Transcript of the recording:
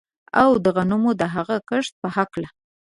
او د غنمو د هغه کښت په هکله